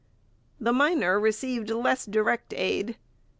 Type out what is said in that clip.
The miner received less direct aid.